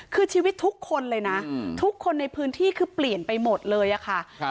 คือชีวิตทุกคนเลยนะทุกคนในพื้นที่คือเปลี่ยนไปหมดเลยอะค่ะ